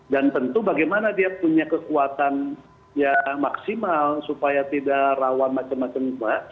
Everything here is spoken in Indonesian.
dan tentu bagaimana dia punya kekuatan yang maksimal supaya tidak rawan macam macam apa